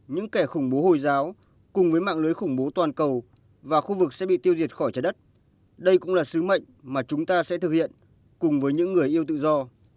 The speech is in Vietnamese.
những kẻ khủng bố hồi giáo cùng với mạng lưới khủng bố toàn cầu và khu vực sẽ bị tiêu diệt khỏi trái đất đây cũng là sứ mệnh mà chúng ta sẽ thực hiện cùng với những người yêu tự do